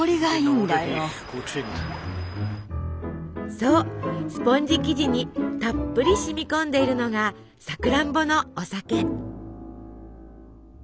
そうスポンジ生地にたっぷりしみこんでいるのがさくらんぼのお酒。